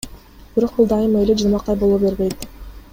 Бирок бул дайыма эле жылмакай боло бербейт.